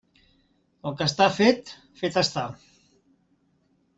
El que està fet, fet està.